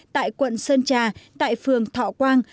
tại quận sơn trà tại phường thọ quang